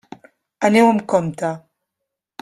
Aneu amb compte.